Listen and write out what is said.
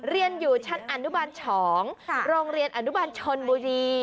เรียนอยู่ชั้นอนุบาล๒โรงเรียนอนุบาลชนบุรี